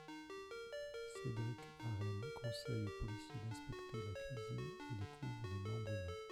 Cédric Arène conseille aux policiers d'inspecter la cuisine et découvrent des membres humains.